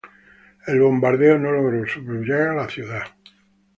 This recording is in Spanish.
El bombardeo no logró subyugar la ciudad.